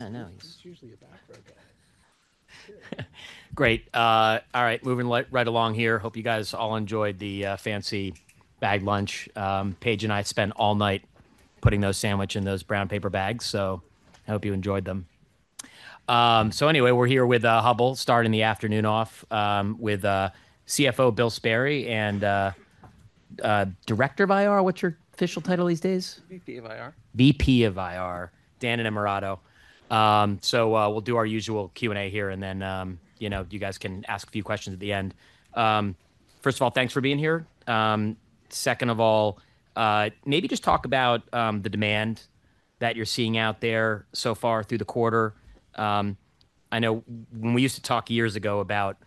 I know. This is usually a background noise. Great. All right, moving right along here. Hope you guys all enjoyed the fancy bag lunch. Paige and I spent all night putting those sandwiches in those brown paper bags, so I hope you enjoyed them. Anyway, we're here with Hubbell, starting the afternoon off with CFO Bill Sperry and Director of IR. What's your official title these days? VP of IR. VP of IR, Daniel Innamorato. We'll do our usual Q&A here, and then you guys can ask a few questions at the end. First of all, thanks for being here. Second of all, maybe just talk about the demand that you're seeing out there so far through the quarter. I know when we used to talk years ago about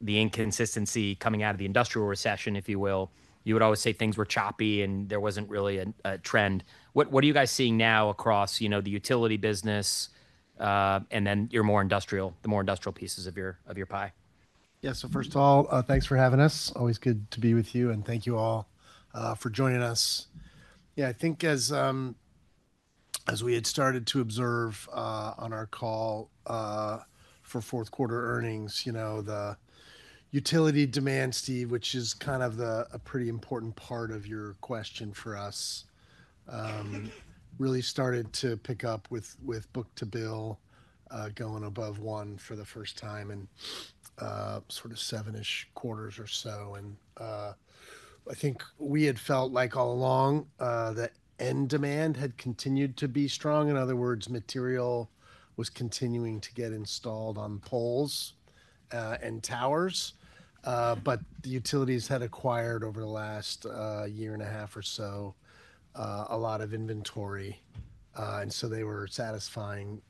the inconsistency coming out of the industrial recession, if you will, you would always say things were choppy and there wasn't really a trend. What are you guys seeing now across the utility business and then your more industrial, the more industrial pieces of your pie? Yeah, so first of all, thanks for having us. Always good to be with you, and thank you all for joining us. Yeah, I think as we had started to observe on our call for fourth quarter earnings, the utility demand, Steve, which is kind of a pretty important part of your question for us, really started to pick up with book-to-bill going above one for the first time in sort of seven-ish quarters or so. I think we had felt like all along that end demand had continued to be strong. In other words, material was continuing to get installed on poles and towers, but the utilities had acquired over the last year and a half or so a lot of inventory, and so they were satisfying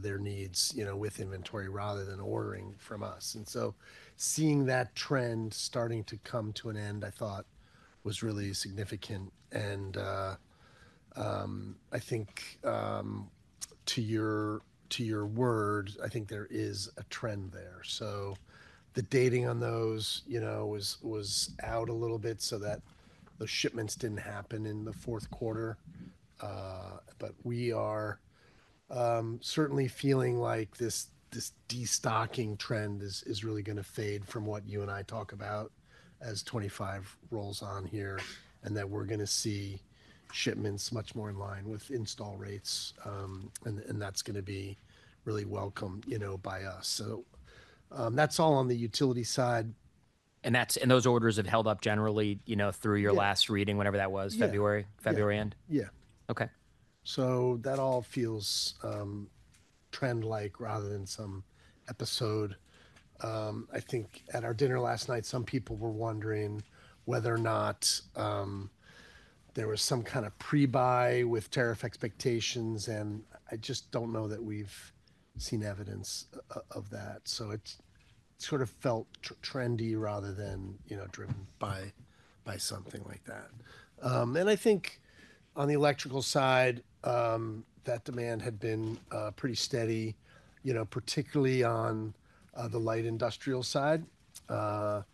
their needs with inventory rather than ordering from us. Seeing that trend starting to come to an end, I thought, was really significant. I think to your word, I think there is a trend there. The dating on those was out a little bit so that those shipments did not happen in the fourth quarter. We are certainly feeling like this destocking trend is really going to fade from what you and I talk about as 2025 rolls on here and that we are going to see shipments much more in line with install rates, and that is going to be really welcome by us. That is all on the utility side. Those orders have held up generally through your last reading, whenever that was, February end? Yeah. Okay. That all feels trend-like rather than some episode. I think at our dinner last night, some people were wondering whether or not there was some kind of pre-buy with tariff expectations, and I just do not know that we have seen evidence of that. It sort of felt trendy rather than driven by something like that. I think on the electrical side, that demand had been pretty steady, particularly on the light industrial side, sort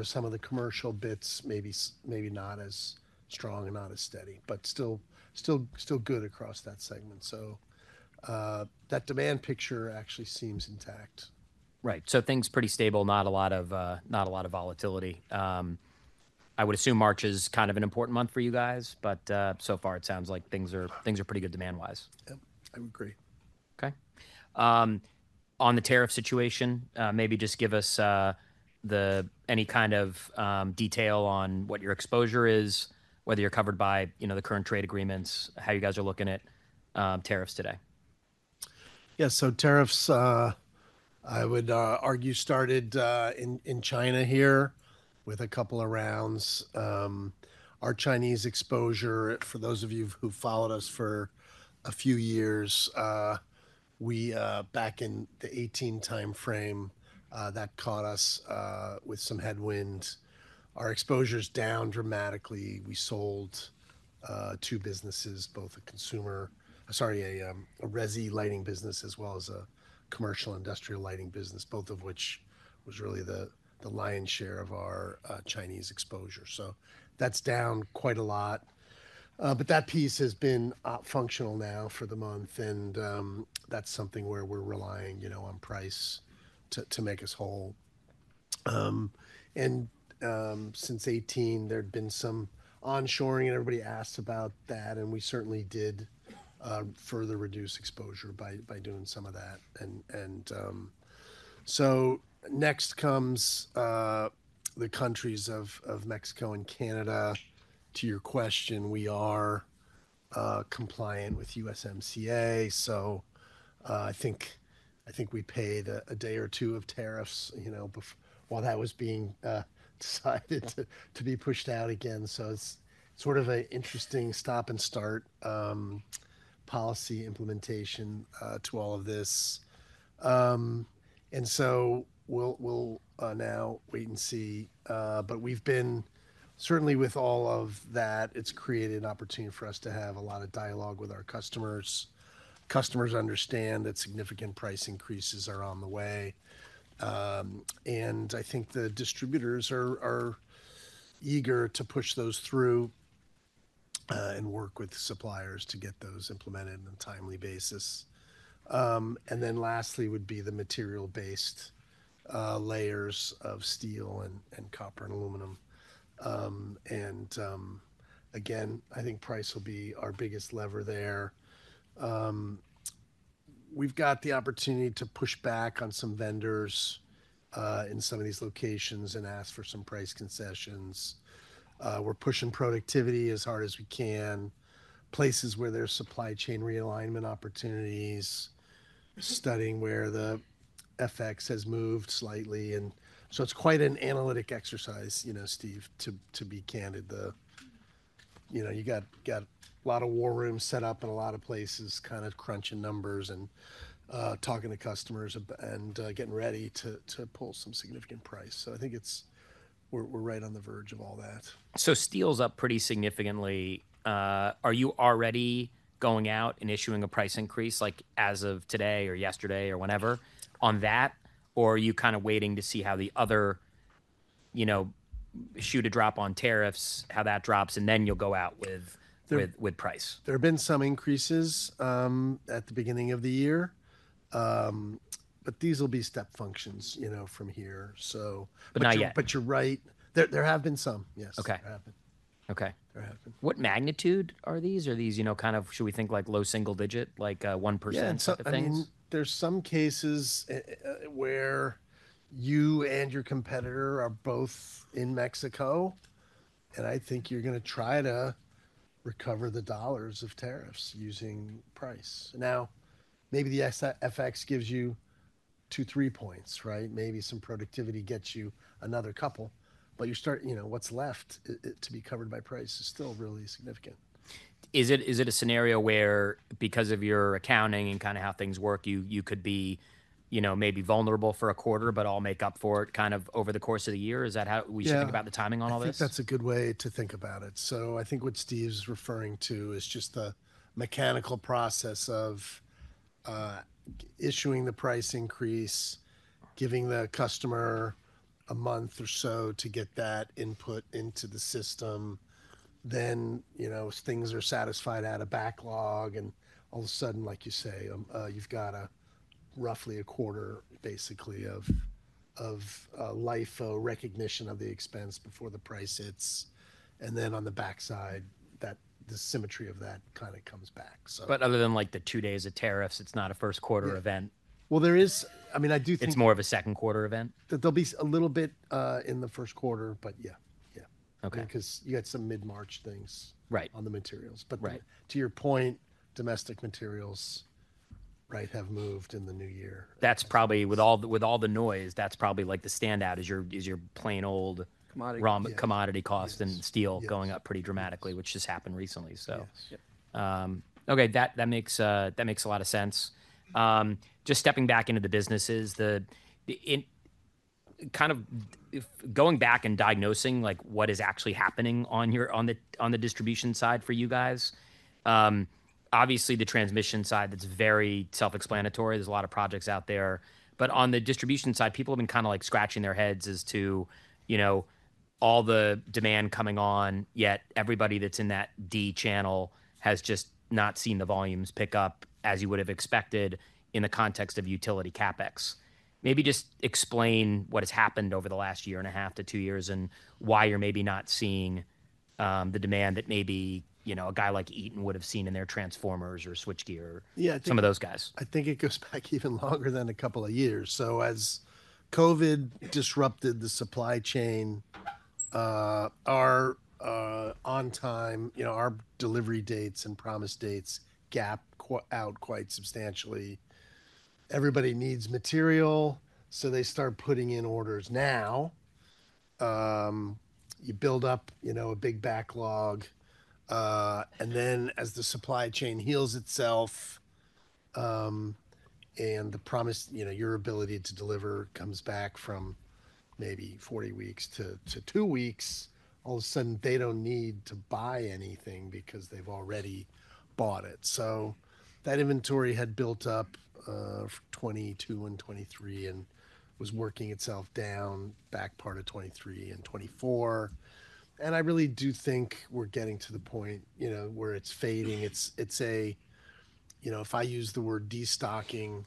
of some of the commercial bits, maybe not as strong and not as steady, but still good across that segment. That demand picture actually seems intact. Right. So things pretty stable, not a lot of volatility. I would assume March is kind of an important month for you guys, but so far it sounds like things are pretty good demand-wise. I would agree. Okay. On the tariff situation, maybe just give us any kind of detail on what your exposure is, whether you're covered by the current trade agreements, how you guys are looking at tariffs today. Yeah, so tariffs, I would argue, started in China here with a couple of rounds. Our Chinese exposure, for those of you who've followed us for a few years, back in the 2018 timeframe, that caught us with some headwinds. Our exposure's down dramatically. We sold two businesses, both a consumer, sorry, a resi-lighting business as well as a commercial industrial lighting business, both of which was really the lion's share of our Chinese exposure. That's down quite a lot. That piece has been functional now for the month, and that's something where we're relying on price to make us whole. Since 2018, there'd been some onshoring, and everybody asked about that, and we certainly did further reduce exposure by doing some of that. Next comes the countries of Mexico and Canada. To your question, we are compliant with USMCA, so I think we paid a day or two of tariffs while that was being decided to be pushed out again. It is sort of an interesting stop and start policy implementation to all of this. We will now wait and see. With all of that, it has created an opportunity for us to have a lot of dialogue with our customers. Customers understand that significant price increases are on the way. I think the distributors are eager to push those through and work with suppliers to get those implemented on a timely basis. Lastly would be the material-based layers of steel and copper and aluminum. Again, I think price will be our biggest lever there. We've got the opportunity to push back on some vendors in some of these locations and ask for some price concessions. We're pushing productivity as hard as we can, places where there's supply chain realignment opportunities, studying where the FX has moved slightly. It is quite an analytic exercise, Steve, to be candid. You got a lot of war room set up in a lot of places, kind of crunching numbers and talking to customers and getting ready to pull some significant price. I think we're right on the verge of all that. Steel's up pretty significantly. Are you already going out and issuing a price increase as of today or yesterday or whenever on that, or are you kind of waiting to see how the other shoe to drop on tariffs, how that drops, and then you'll go out with price? There have been some increases at the beginning of the year, but these will be step functions from here. Not yet? You're right. There have been some, yes. There have been. Okay. What magnitude are these? Are these kind of, should we think like low single digit, like 1% things? Yeah, I mean, there's some cases where you and your competitor are both in Mexico, and I think you're going to try to recover the dollars of tariffs using price. Now, maybe the FX gives you two, three points, right? Maybe some productivity gets you another couple, but what's left to be covered by price is still really significant. Is it a scenario where, because of your accounting and kind of how things work, you could be maybe vulnerable for a quarter, but I'll make up for it kind of over the course of the year? Is that how we should think about the timing on all this? I think that's a good way to think about it. I think what Steve's referring to is just the mechanical process of issuing the price increase, giving the customer a month or so to get that input into the system. Then things are satisfied out of backlog, and all of a sudden, like you say, you've got roughly a quarter, basically, of LIFO recognition of the expense before the price hits. On the backside, the symmetry of that kind of comes back. Other than like the two days of tariffs, it's not a first quarter event? There is. I mean, I do think. It's more of a second quarter event? There'll be a little bit in the first quarter, but yeah, yeah, because you had some mid-March things on the materials. To your point, domestic materials have moved in the new year. That's probably, with all the noise, that's probably like the standout is your plain old commodity costs and steel going up pretty dramatically, which just happened recently. Okay, that makes a lot of sense. Just stepping back into the businesses, kind of going back and diagnosing what is actually happening on the distribution side for you guys. Obviously, the transmission side, that's very self-explanatory. There's a lot of projects out there. On the distribution side, people have been kind of like scratching their heads as to all the demand coming on, yet everybody that's in that D channel has just not seen the volumes pick up as you would have expected in the context of utility CapEx. Maybe just explain what has happened over the last year and a half to two years and why you're maybe not seeing the demand that maybe a guy like Eaton would have seen in their transformers or switchgear, some of those guys. I think it goes back even longer than a couple of years. As COVID disrupted the supply chain, our on-time, our delivery dates and promise dates gap out quite substantially. Everybody needs material, so they start putting in orders now. You build up a big backlog, and then as the supply chain heals itself and your ability to deliver comes back from maybe 40 weeks to two weeks, all of a sudden, they do not need to buy anything because they have already bought it. That inventory had built up 2022 and 2023 and was working itself down back part of 2023 and 2024. I really do think we are getting to the point where it is fading. If I use the word destocking,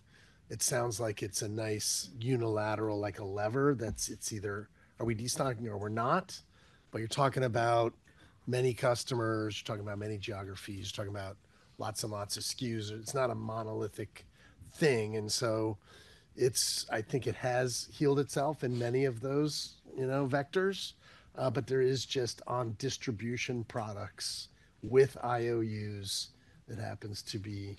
it sounds like it's a nice unilateral, like a lever that it's either are we destocking or we're not, but you're talking about many customers, you're talking about many geographies, you're talking about lots and lots of SKUs. It's not a monolithic thing. I think it has healed itself in many of those vectors, but there is just on distribution products with IOUs that happens to be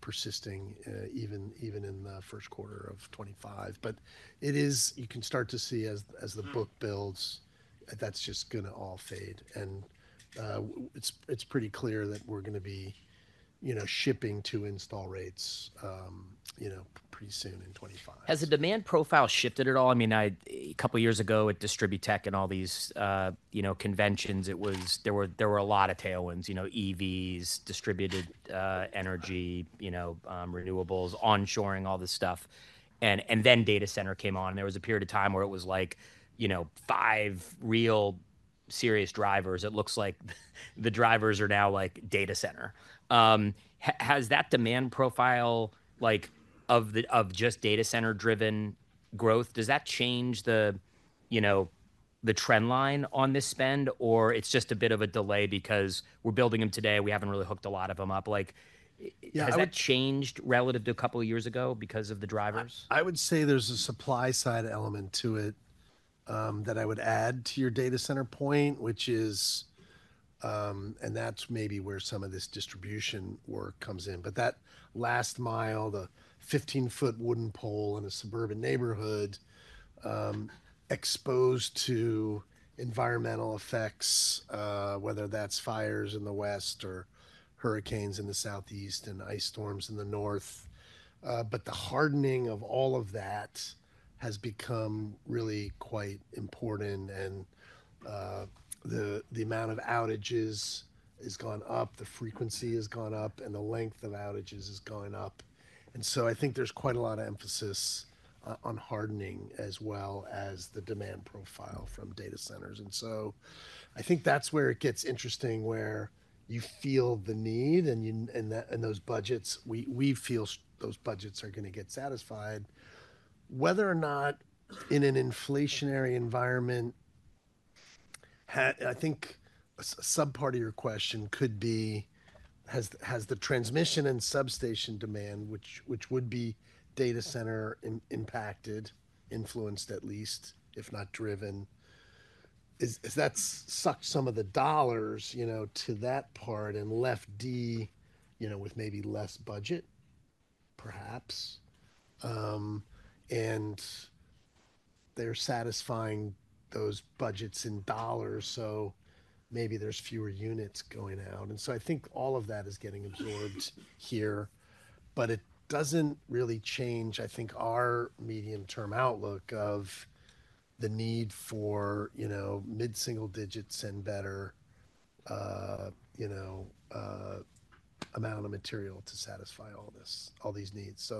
persisting even in the first quarter of 2025. You can start to see as the book builds, that's just going to all fade. It's pretty clear that we're going to be shipping to install rates pretty soon in 2025. Has the demand profile shifted at all? I mean, a couple of years ago at DistribuTECH and all these conventions, there were a lot of tailwinds, EVs, distributed energy, renewables, onshoring, all this stuff. Data center came on. There was a period of time where it was like five real serious drivers. It looks like the drivers are now like data center. Has that demand profile of just data center-driven growth, does that change the trend line on this spend, or it's just a bit of a delay because we're building them today, we haven't really hooked a lot of them up? Has it changed relative to a couple of years ago because of the drivers? I would say there's a supply side element to it that I would add to your data center point, which is, and that's maybe where some of this distribution work comes in. That last mile, the 15-foot wooden pole in a suburban neighborhood exposed to environmental effects, whether that's fires in the West or hurricanes in the Southeast and ice storms in the North. The hardening of all of that has become really quite important, and the amount of outages has gone up, the frequency has gone up, and the length of outages has gone up. I think there's quite a lot of emphasis on hardening as well as the demand profile from data centers. I think that's where it gets interesting where you feel the need and those budgets, we feel those budgets are going to get satisfied. Whether or not in an inflationary environment, I think a subpart of your question could be, has the transmission and substation demand, which would be data center impacted, influenced at least, if not driven, has that sucked some of the dollars to that part and left D with maybe less budget, perhaps? They are satisfying those budgets in dollars, so maybe there are fewer units going out. I think all of that is getting absorbed here, but it does not really change, I think, our medium-term outlook of the need for mid-single digits and better amount of material to satisfy all these needs.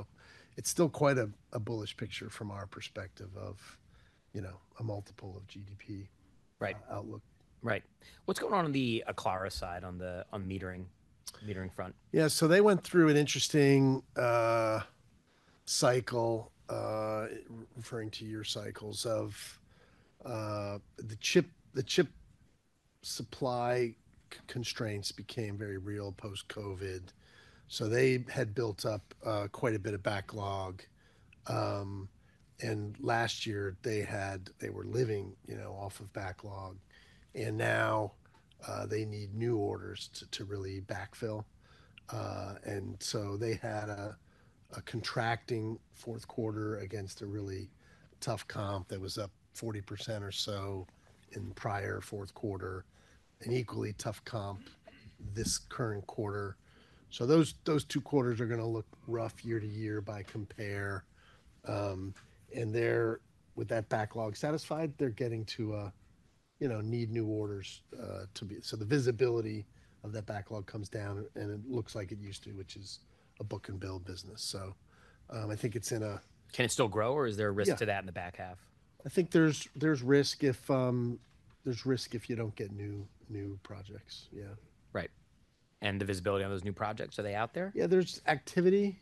It is still quite a bullish picture from our perspective of a multiple of GDP outlook. Right. What's going on on the Aclara side on the metering front? Yeah, so they went through an interesting cycle, referring to your cycles of the chip supply constraints became very real post-COVID. They had built up quite a bit of backlog. Last year, they were living off of backlog. Now they need new orders to really backfill. They had a contracting fourth quarter against a really tough comp that was up 40% or so in prior fourth quarter, an equally tough comp this current quarter. Those two quarters are going to look rough year to year by compare. With that backlog satisfied, they're getting to need new orders. The visibility of that backlog comes down, and it looks like it used to, which is a book-and-build business. I think it's in a. Can it still grow, or is there a risk to that in the back half? I think there's risk if you don't get new projects, yeah. Right. The visibility on those new projects, are they out there? Yeah, there's activity,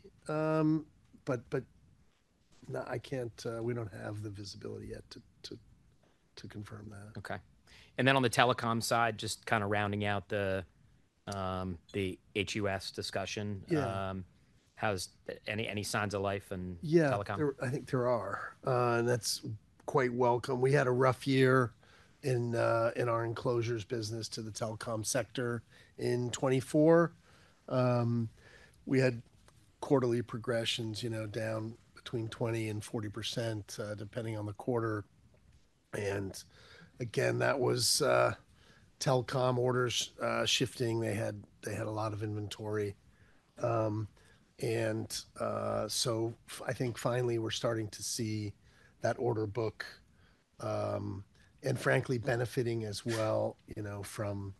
but we don't have the visibility yet to confirm that. Okay. And then on the telecom side, just kind of rounding out the HUS discussion, any signs of life in telecom? Yeah, I think there are. That's quite welcome. We had a rough year in our enclosures business to the telecom sector in 2024. We had quarterly progressions down between 20% and 40% depending on the quarter. That was telecom orders shifting. They had a lot of inventory. I think finally we're starting to see that order book and frankly benefiting as well from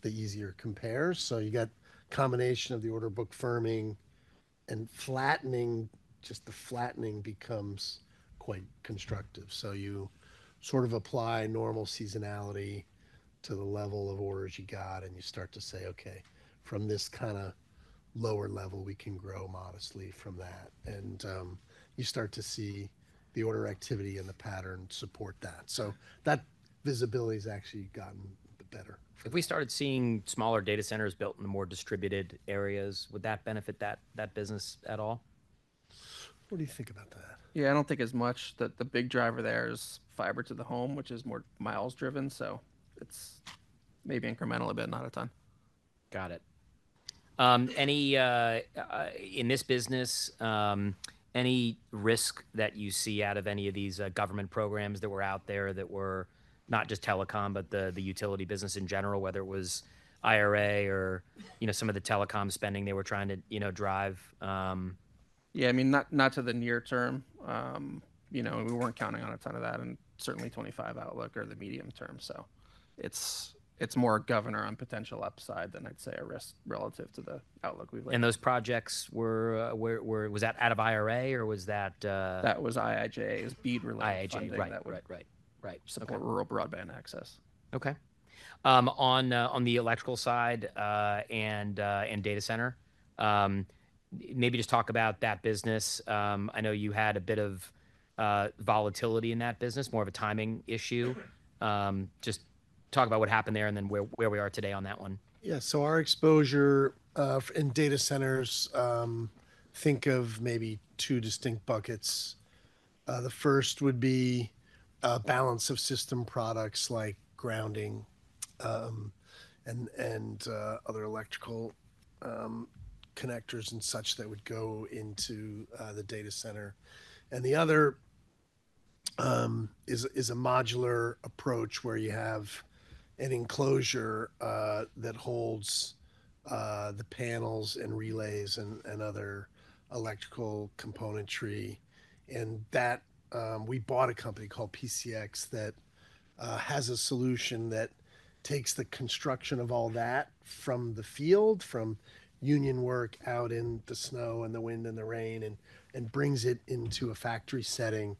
the easier compare. You got a combination of the order book firming and flattening, just the flattening becomes quite constructive. You sort of apply normal seasonality to the level of orders you got, and you start to say, "Okay, from this kind of lower level, we can grow modestly from that." You start to see the order activity and the pattern support that. That visibility has actually gotten better. If we started seeing smaller data centers built in the more distributed areas, would that benefit that business at all? What do you think about that? Yeah, I don't think as much. The big driver there is fiber to the home, which is more miles driven. It is maybe incremental a bit, not a ton. Got it. In this business, any risk that you see out of any of these government programs that were out there that were not just telecom, but the utility business in general, whether it was IRA or some of the telecom spending they were trying to drive? Yeah, I mean, not to the near term. We were not counting on a ton of that in certainly 2025 outlook or the medium term. It is more a governor on potential upside than I would say a risk relative to the outlook we have laid. Those projects, was that out of IRA or was that? That was IIJA, it was BEAD related funding that went. IIJA, right, right, right. Rural broadband access. Okay. On the electrical side and data center, maybe just talk about that business. I know you had a bit of volatility in that business, more of a timing issue. Just talk about what happened there and then where we are today on that one. Yeah, so our exposure in data centers, think of maybe two distinct buckets. The first would be a balance-of-system products like grounding and other electrical connectors and such that would go into the data center. The other is a modular approach where you have an enclosure that holds the panels and relays and other electrical componentry. We bought a company called PCX that has a solution that takes the construction of all that from the field, from union work out in the snow and the wind and the rain, and brings it into a factory setting,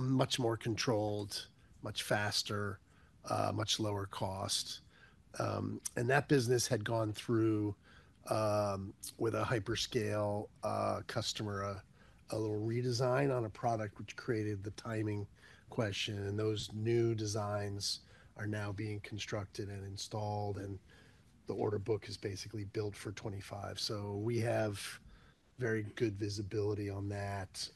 much more controlled, much faster, much lower cost. That business had gone through with a hyperscale customer a little redesign on a product, which created the timing question. Those new designs are now being constructed and installed, and the order book is basically built for 2025. We have very good visibility on that.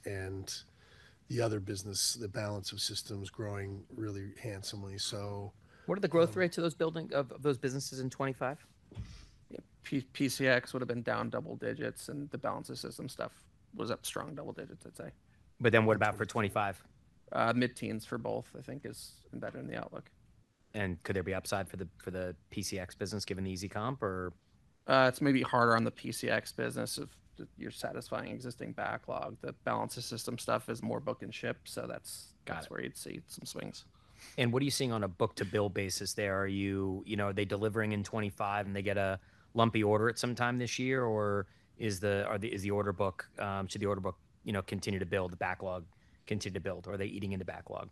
The other business, the balance-of-systems, is growing really handsomely. What are the growth rates of those businesses in 2025? PCX would have been down double digits, and the balance-of-system stuff was up strong double digits, I'd say. What about for 2025? Mid-teens for both, I think, is embedded in the outlook. Could there be upside for the PCX business given the easy comp or? It's maybe harder on the PCX business if you're satisfying existing backlog. The balance-of-system stuff is more book and ship, so that's where you'd see some swings. What are you seeing on a book-to-bill basis there? Are they delivering in 2025 and they get a lumpy order at some time this year, or is the order book, should the order book continue to build, the backlog continue to build, or are they eating into backlog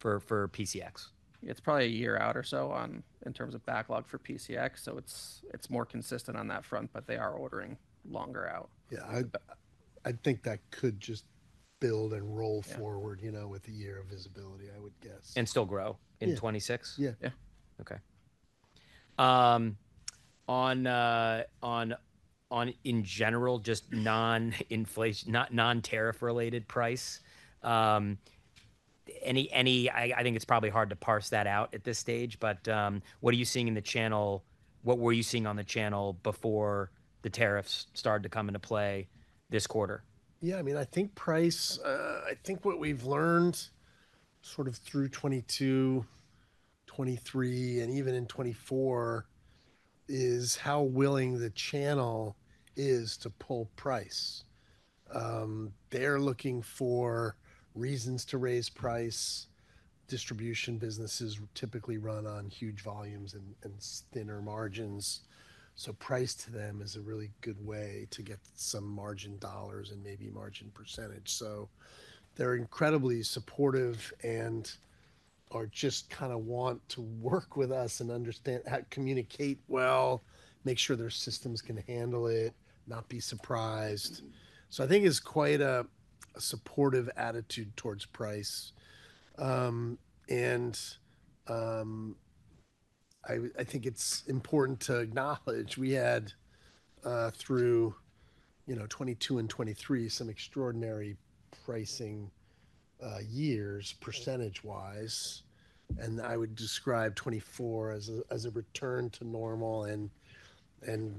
for PCX? It's probably a year out or so in terms of backlog for PCX, so it's more consistent on that front, but they are ordering longer out. Yeah, I think that could just build and roll forward with a year of visibility, I would guess. Still grow in 2026? Yeah. Okay. In general, just non-tariff related price, I think it's probably hard to parse that out at this stage, but what are you seeing in the channel? What were you seeing on the channel before the tariffs started to come into play this quarter? Yeah, I mean, I think price, I think what we've learned sort of through 2022, 2023, and even in 2024 is how willing the channel is to pull price. They're looking for reasons to raise price. Distribution businesses typically run on huge volumes and thinner margins. Price to them is a really good way to get some margin dollars and maybe margin percentage. They're incredibly supportive and just kind of want to work with us and understand, communicate well, make sure their systems can handle it, not be surprised. I think it's quite a supportive attitude towards price. I think it's important to acknowledge we had through 2022 and 2023 some extraordinary pricing years percentage-wise. I would describe 2024 as a return to normal and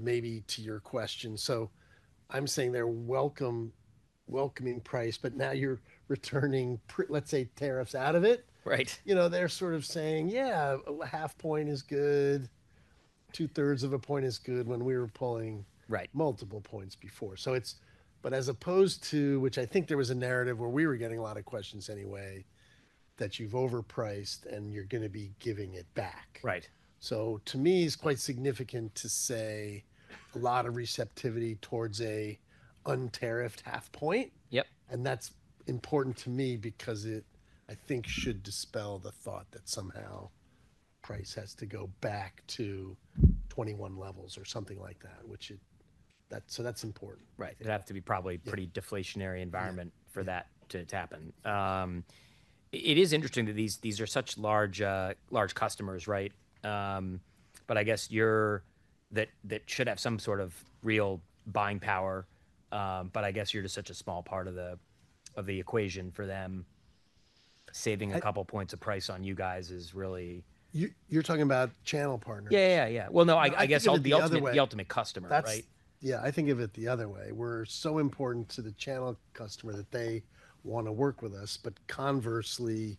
maybe to your question. I'm saying they're welcoming price, but now you're returning, let's say, tariffs out of it. They're sort of saying, "Yeah, a half point is good. Two-thirds of a point is good when we were pulling multiple points before." As opposed to, which I think there was a narrative where we were getting a lot of questions anyway, that you've overpriced and you're going to be giving it back. To me, it's quite significant to say a lot of receptivity towards an un-tariffed half point. That's important to me because it, I think, should dispel the thought that somehow price has to go back to 2021 levels or something like that, which it, so that's important. Right. It'd have to be probably a pretty deflationary environment for that to happen. It is interesting that these are such large customers, right? I guess that should have some sort of real buying power, but I guess you're just such a small part of the equation for them. Saving a couple points of price on you guys is really. You're talking about channel partners? Yeah, yeah, yeah. No, I guess the ultimate customer, right? Yeah, I think of it the other way. We're so important to the channel customer that they want to work with us, but conversely,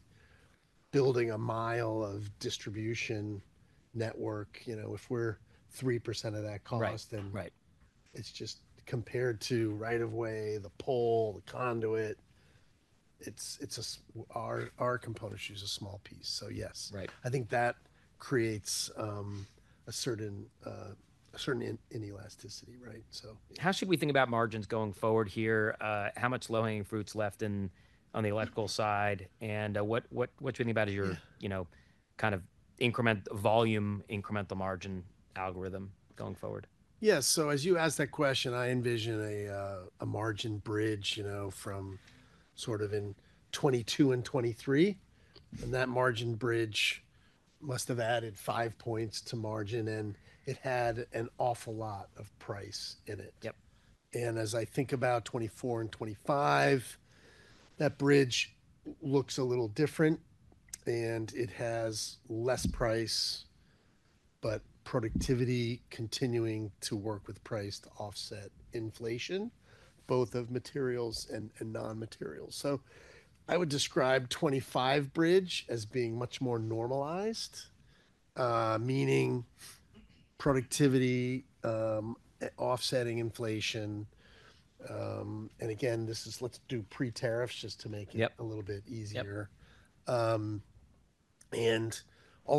building a mile of distribution network, if we're 3% of that cost, then it's just compared to right of way, the pole, the conduit, our component is just a small piece. Yes, I think that creates a certain inelasticity, right? How should we think about margins going forward here? How much low-hanging fruit's left on the electrical side? What should we think about as your kind of volume incremental margin algorithm going forward? Yeah, as you asked that question, I envision a margin bridge from sort of in 2022 and 2023. That margin bridge must have added five points to margin, and it had an awful lot of price in it. As I think about 2024 and 2025, that bridge looks a little different, and it has less price, but productivity continuing to work with price to offset inflation, both of materials and non-materials. I would describe the 2025 bridge as being much more normalized, meaning productivity offsetting inflation. Again, this is, let's do pre-tariffs just to make it a little bit easier. All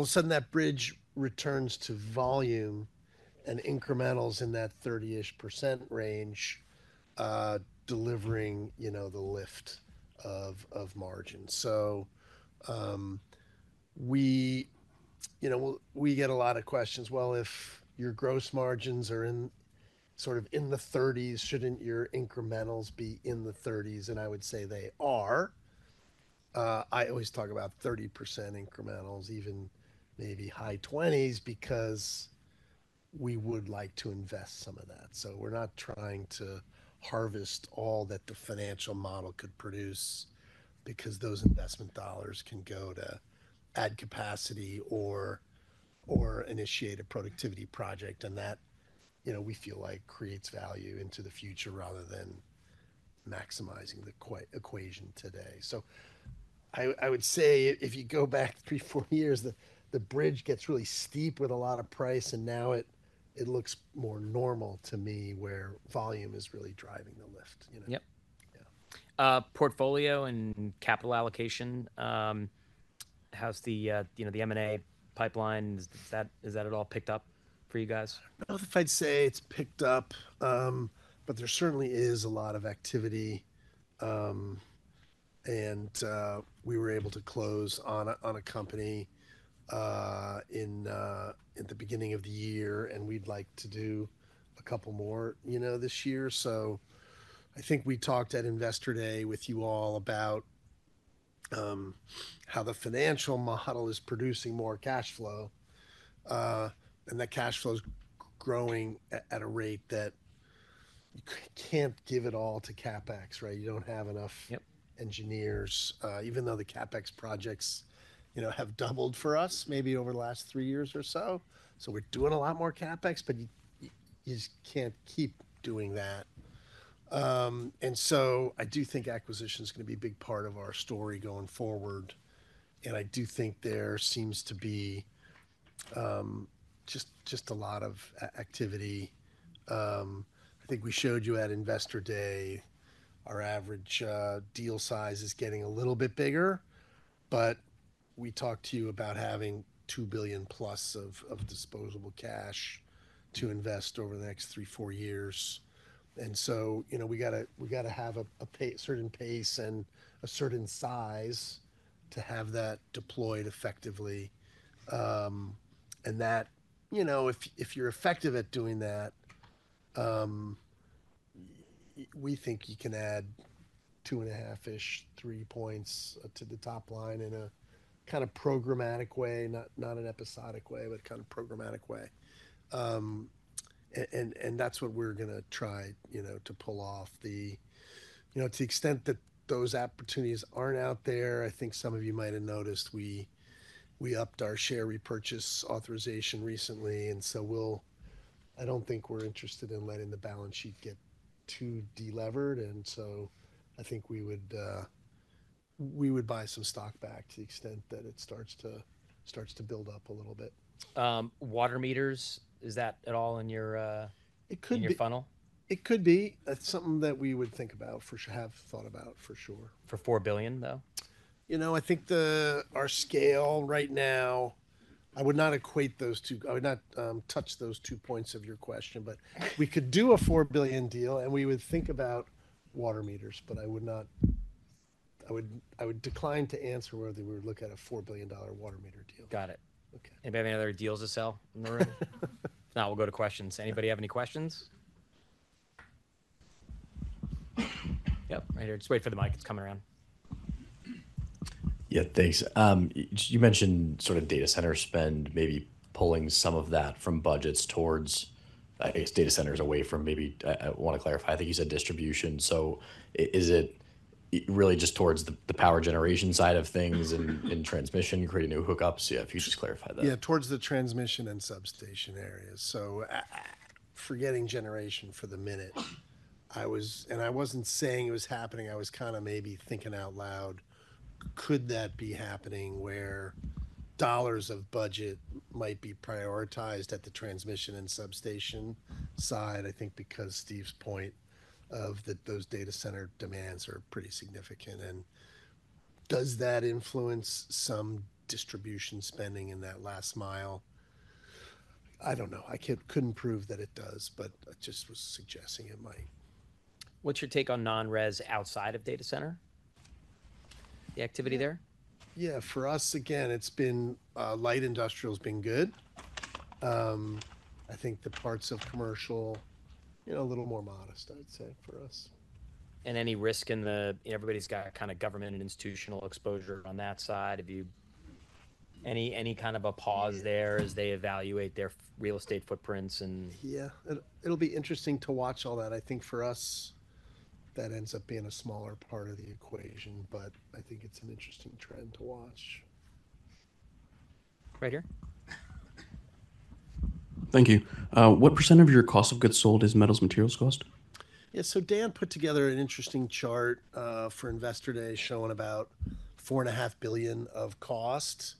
of a sudden, that bridge returns to volume and incrementals in that 30% range, delivering the lift of margin. We get a lot of questions. If your gross margins are sort of in the 30s, should not your incrementals be in the 30s? I would say they are. I always talk about 30% incrementals, even maybe high 20s because we would like to invest some of that. We are not trying to harvest all that the financial model could produce because those investment dollars can go to add capacity or initiate a productivity project. That, we feel like, creates value into the future rather than maximizing the equation today. I would say if you go back three, four years, the bridge gets really steep with a lot of price, and now it looks more normal to me where volume is really driving the lift. Yep. Portfolio and capital allocation, how's the M&A pipeline? Is that at all picked up for you guys? Not if I'd say it's picked up, but there certainly is a lot of activity. We were able to close on a company in the beginning of the year, and we'd like to do a couple more this year. I think we talked at Investor Day with you all about how the financial model is producing more cash flow, and that cash flow is growing at a rate that you can't give it all to CapEx, right? You don't have enough engineers, even though the CapEx projects have doubled for us maybe over the last three years or so. We're doing a lot more CapEx, but you just can't keep doing that. I do think acquisition is going to be a big part of our story going forward. I do think there seems to be just a lot of activity. I think we showed you at Investor Day, our average deal size is getting a little bit bigger, but we talked to you about having $2 billion plus of disposable cash to invest over the next three, four years. We got to have a certain pace and a certain size to have that deployed effectively. If you're effective at doing that, we think you can add two and a half-ish, three points to the top line in a kind of programmatic way, not an episodic way, but kind of programmatic way. That is what we're going to try to pull off. To the extent that those opportunities aren't out there, I think some of you might have noticed we upped our share repurchase authorization recently. I don't think we're interested in letting the balance sheet get too delevered. I think we would buy some stock back to the extent that it starts to build up a little bit. Water meters, is that at all in your funnel? It could be. It could be. That is something that we would think about, have thought about for sure. For $4 billion though? You know, I think our scale right now, I would not equate those two, I would not touch those two points of your question, but we could do a $4 billion deal and we would think about water meters, but I would decline to answer whether we would look at a $4 billion water meter deal. Got it. Anybody have any other deals to sell in the room? Now we'll go to questions. Anybody have any questions? Yep, right here. Just wait for the mic, it's coming around. Yeah, thanks. You mentioned sort of data center spend, maybe pulling some of that from budgets towards, I guess, data centers away from maybe, I want to clarify, I think you said distribution. Is it really just towards the power generation side of things and transmission, creating new hookups? Yeah, if you could just clarify that. Yeah, towards the transmission and substation areas. Forgetting generation for the minute, and I was not saying it was happening, I was kind of maybe thinking out loud, could that be happening where dollars of budget might be prioritized at the transmission and substation side? I think because Steve's point of that those data center demands are pretty significant. Does that influence some distribution spending in that last mile? I do not know. I could not prove that it does, but I just was suggesting it might. What's your take on non-res outside of data center? The activity there? Yeah, for us, again, it's been light industrial has been good. I think the parts of commercial, a little more modest, I'd say for us. Any risk in the, everybody's got kind of government and institutional exposure on that side. Any kind of a pause there as they evaluate their real estate footprints? Yeah, it'll be interesting to watch all that. I think for us, that ends up being a smaller part of the equation, but I think it's an interesting trend to watch. Right here. Thank you. What percent of your cost of goods sold is metals materials cost? Yeah, Dan put together an interesting chart for Investor Day showing about $4.5 billion of cost,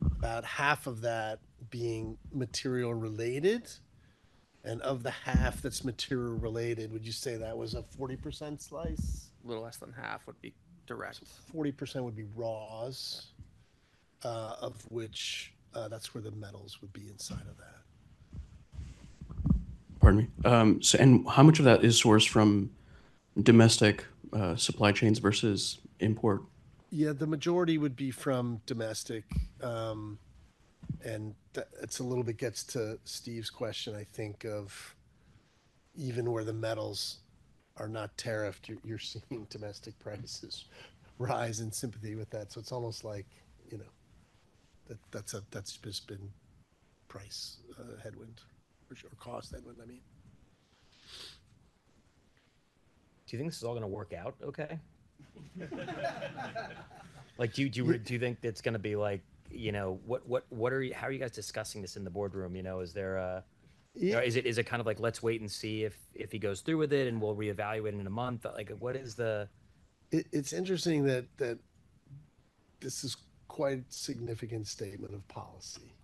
about half of that being material related. Of the half that's material related, would you say that was a 40% slice? A little less than half would be direct. 40% would be raws, of which that's where the metals would be inside of that. Pardon me. How much of that is sourced from domestic supply chains versus import? Yeah, the majority would be from domestic. It gets to Steve's question, I think, of even where the metals are not tariffed, you're seeing domestic prices rise in sympathy with that. It's almost like that's just been price headwind or cost headwind, I mean. Do you think this is all going to work out okay? Do you think it's going to be like, how are you guys discussing this in the boardroom? Is there a, is it kind of like, let's wait and see if he goes through with it and we'll reevaluate it in a month? What is the? It's interesting that this is quite a significant statement of policy.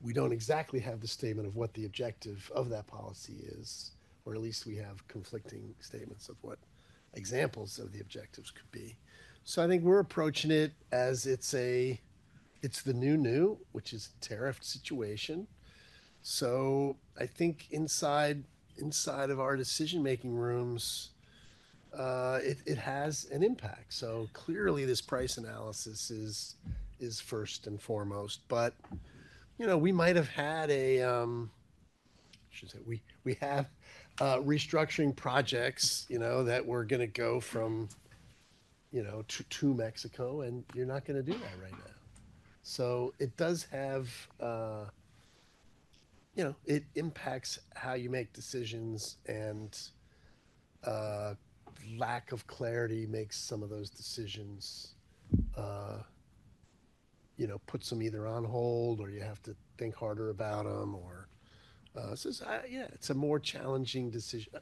We do not exactly have the statement of what the objective of that policy is, or at least we have conflicting statements of what examples of the objectives could be. I think we are approaching it as it's the new new, which is a tariff situation. I think inside of our decision-making rooms, it has an impact. Clearly, this price analysis is first and foremost. We might have had restructuring projects that were going to go to Mexico, and you are not going to do that right now. It does have, it impacts how you make decisions and lack of clarity makes some of those decisions put some either on hold or you have to think harder about them. Yeah, it's a more challenging decision.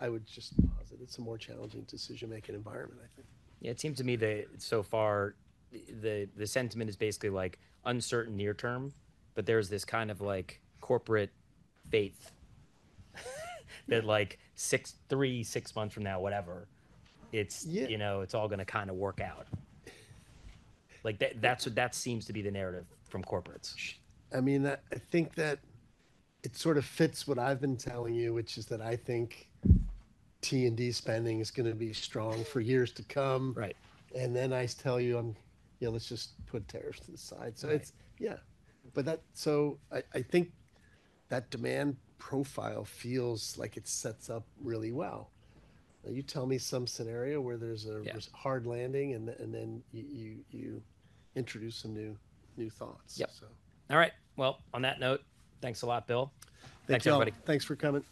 I would just posit it's a more challenging decision-making environment, I think. Yeah, it seems to me that so far, the sentiment is basically like uncertain near term, but there's this kind of like corporate faith that like three, six months from now, whatever, it's all going to kind of work out. That seems to be the narrative from corporates. I mean, I think that it sort of fits what I've been telling you, which is that I think T&D spending is going to be strong for years to come. I tell you, let's just put tariffs to the side. Yeah. I think that demand profile feels like it sets up really well. Now you tell me some scenario where there's a hard landing and then you introduce some new thoughts. Yep. All right. On that note, thanks a lot, Bill. Thanks, everybody. Thanks for coming.